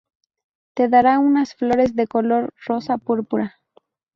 Te dará unas flores de color rosa-púrpura.